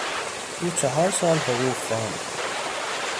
او چهار سال حقوق خواند.